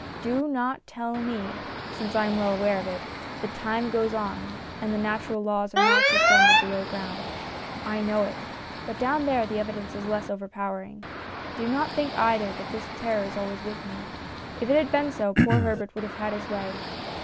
Do not tell me since I am well aware of it that time goes on and the natural laws are not suspended below ground. I know it ; but down there the evidence is less overpowering. Do not think either that this terror is always with me. If it had been so, poor Herbert would have had his way.